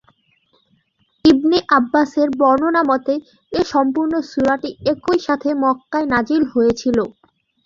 ইবনে আব্বাসের বর্ণনা মতে এ সম্পূর্ণ সূরাটি একই সাথে মক্কায় নাযিল হয়েছিল।